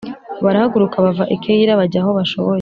barahaguruka bava i Keyila bajya aho bashoboye